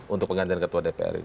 untuk penggantian ketua dpr ini